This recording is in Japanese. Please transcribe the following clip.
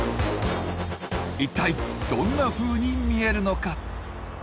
一体どんなふうに見えるのか？